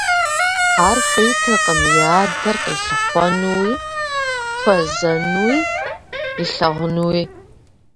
Ар хуейтэкъым и адэр къилъыхъуэнуи, хуэзэнуи, илъэгъунуи.